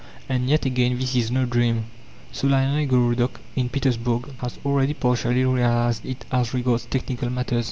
And yet again, this is no dream. Solanóy Gorodók, in Petersburg, has already partially realized it as regards technical matters.